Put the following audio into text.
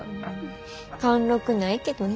貫禄ないけどな。